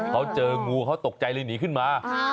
เขาเจองูเขาตกใจเลยหนีขึ้นมา